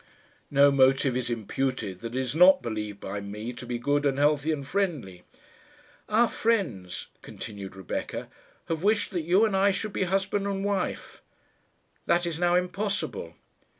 "No motive is imputed that is not believed by me to be good and healthy and friendly." "Our friends," continued Rebecca, "have wished that you and I should be husband and wife. That is now impossible."